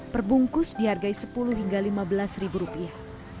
perbungkus dihargai sepuluh hingga lima belas ribu rupiah